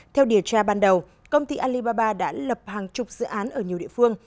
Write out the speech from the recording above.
theo điều tra ban đầu công ty alibaba đã lập hàng chục dự án ở nhiều địa phương